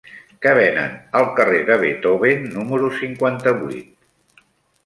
Què venen al carrer de Beethoven número cinquanta-vuit?